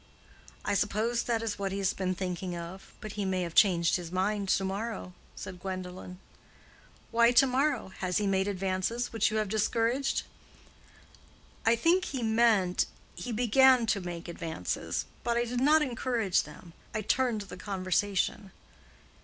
"I suppose that is what he has been thinking of. But he may have changed his mind to morrow," said Gwendolen. "Why to morrow? Has he made advances which you have discouraged?" "I think he meant—he began to make advances—but I did not encourage them. I turned the conversation."